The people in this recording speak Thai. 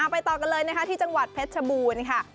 ไปต่อกันเลยนะคะที่จังหวัดเพชรชบูรณ์ค่ะ